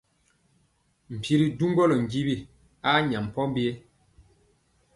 Mpi ri duŋgɔlɔ njiwi a nya pombiyɛ.